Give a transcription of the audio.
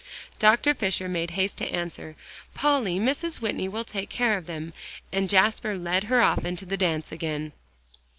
Dr. Fisher made haste to answer, "Polly, Mrs. Whitney will take care of them." And Jasper led her off into the dance again.